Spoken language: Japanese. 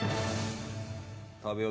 食べよう